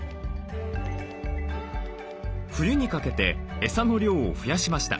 冬にかけてエサの量を増やしました。